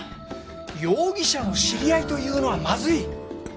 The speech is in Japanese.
容疑者の知り合いというのはまずい！